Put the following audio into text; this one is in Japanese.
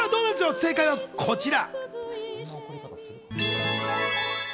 正解はこちら。